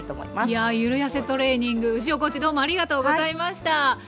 いやゆるやせトレーニング牛尾コーチどうもありがとうございました！